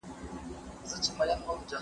زه به کالي وچولي وي؟